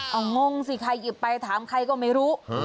เอางงกิ๊บไปถามใครก็ไม่รู้